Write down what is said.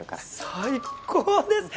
最高です！